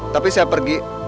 tapi saya pergi